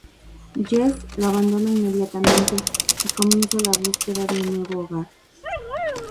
Jess lo abandona inmediatamente, y comienza la búsqueda de un nuevo hogar.